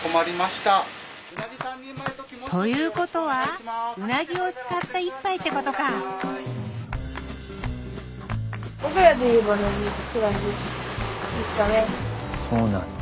ということはうなぎを使った一杯ってことかそうなんだ。